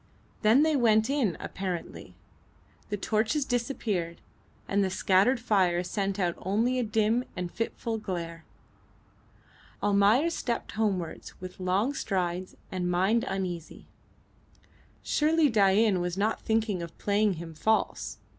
Then they went in apparently. The torches disappeared, and the scattered fire sent out only a dim and fitful glare. Almayer stepped homewards with long strides and mind uneasy. Surely Dain was not thinking of playing him false.